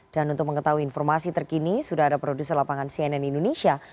dan untuk mengetahui informasi terkini sudah ada produser lapangan cnn indonesia